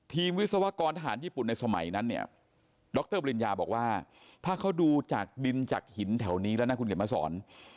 วิศวกรทหารญี่ปุ่นในสมัยนั้นเนี่ยดรปริญญาบอกว่าถ้าเขาดูจากดินจากหินแถวนี้แล้วนะคุณเขียนมาสอน